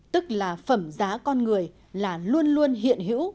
tức là phẩm giá con người là luôn luôn hiện hữu